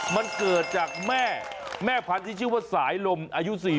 มันเกิดจากแม่แม่พันธุ์ที่ชื่อว่าสายลมอายุ๔๐